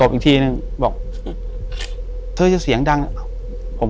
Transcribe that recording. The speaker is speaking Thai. อยู่ที่แม่ศรีวิรัยิลครับ